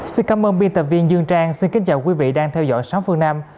xin cảm ơn biên tập viên dương trang xin kính chào quý vị đang theo dõi xóm phương nam